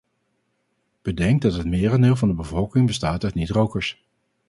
Bedenk dat het merendeel van de bevolking bestaat uit niet-rokers.